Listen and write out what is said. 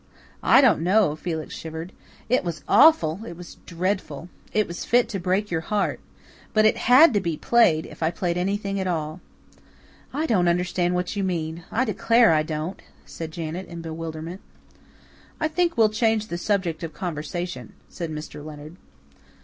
"I don't know." Felix shivered. "It was awful it was dreadful. It was fit to break your heart. But it HAD to be played, if I played anything at all." "I don't understand what you mean I declare I don't," said Janet in bewilderment. "I think we'll change the subject of conversation," said Mr. Leonard.